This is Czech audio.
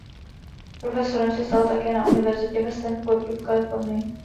Profesorem se stal také na univerzitě ve Stanfordu v Kalifornii.